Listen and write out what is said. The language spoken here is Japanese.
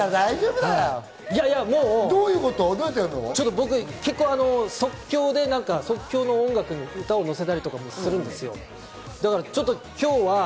僕、即興で音楽に歌を乗せたりとかもするんですよ。